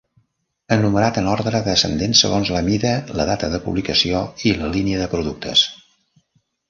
Enumerat en ordre descendent segons la mida, la data de publicació i la línia de productes.